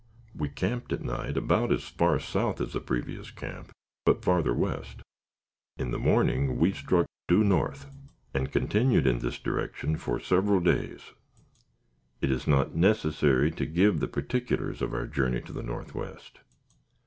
We camped at night about as far south as the previous camp, but farther west. In the morning we struck due north, and continued in this direction for several days. It is not necessary to give the particulars of our journey to the northwest.